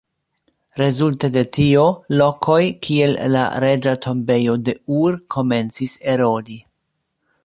Rezulte de tio, lokoj kiel la Reĝa Tombejo de Ur, komencis erodi.